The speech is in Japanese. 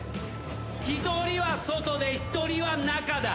一人は外で一人は中だ。